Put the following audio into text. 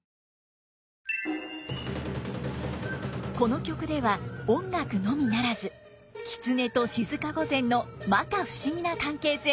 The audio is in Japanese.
この曲では音楽のみならず狐と静御前のまか不思議な関係性も注目です。